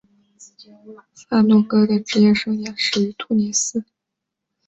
萨诺戈的职业生涯始于突尼斯。